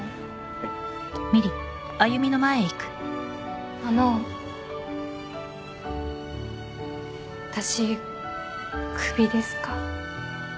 はいあの私クビですか？